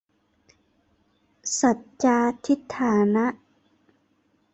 สัจจาธิฏฐานะ